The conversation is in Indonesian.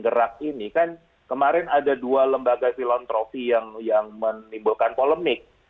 kemarin ada dua lembaga filantropi yang menimbulkan polemik kemarin ada dua lembaga filantropi yang menimbulkan polemik